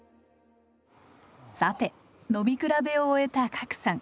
さて飲みくらべを終えた加来さん。